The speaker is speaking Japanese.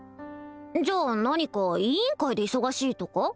じゃあ何か委員会で忙しいとか？